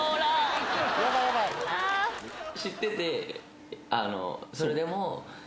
知っててそれでも。